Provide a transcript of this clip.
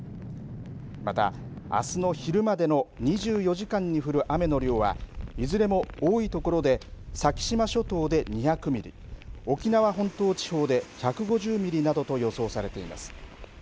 また、あすの昼までの２４時間に降る雨の量はいずれも多いところで先島諸島で２００ミリ沖縄本島地方で１５０ミリなどと予想されています。